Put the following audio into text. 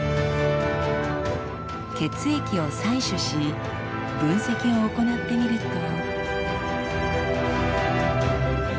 血液を採取し分析を行ってみると。